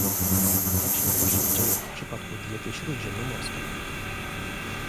Tak się właśnie dzieje w przypadku diety śródziemnomorskiej